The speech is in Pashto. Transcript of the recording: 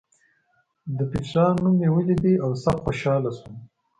د پېټرا نوم مې ولید او سخت خوشاله شوم.